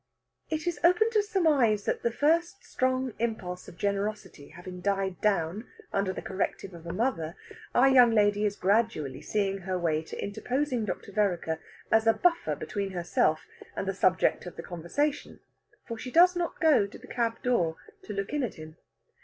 It is open to surmise that the first strong impulse of generosity having died down under the corrective of a mother, our young lady is gradually seeing her way to interposing Dr. Vereker as a buffer between herself and the subject of the conversation, for she does not go to the cab door to look in at him.